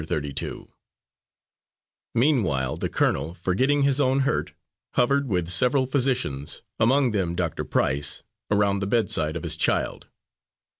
Thirty two Meanwhile the colonel, forgetting his own hurt, hovered, with several physicians, among them Doctor Price, around the bedside of his child.